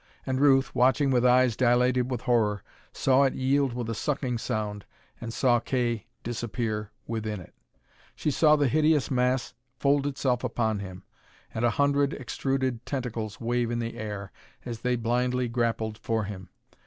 And Ruth, watching with eyes dilated with horror, saw it yield with a sucking sound, and saw Kay disappear within it. She saw the hideous mass fold itself upon him, and a hundred extruded tentacles wave in the air as they blindly grappled for him.